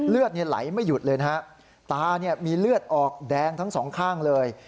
เลือดไหลไม่หยุดเลยนะฮะตาเนี่ยมีเลือดออกแดงทั้งสองข้างเลย